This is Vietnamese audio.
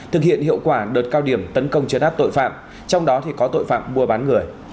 thực hiện hiệu quả đợt cao điểm tấn công chấn áp tội phạm trong đó có tội phạm mua bán người